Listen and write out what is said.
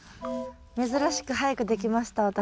珍しく早く出来ました私。